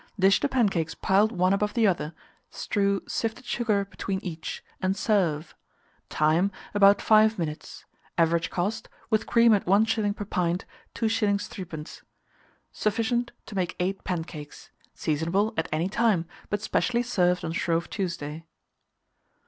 Dish the pancakes piled one above the other, strew sifted sugar between each, and serve. Time. About 5 minutes. Average cost, with cream at 1s. per pint, 2s. 3d. Sufficient to make 8 pancakes. Seasonable at any time, but specially served on Shrove Tuesday.